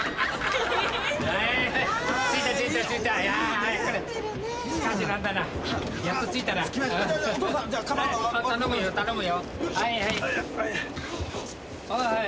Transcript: はいはい。